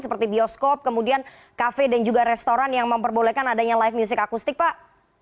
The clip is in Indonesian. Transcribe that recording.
seperti bioskop kemudian kafe dan juga restoran yang memperbolehkan adanya live music akustik pak